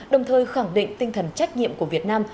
đồng thời khẳng định tinh thần trách nhiệm của việt nam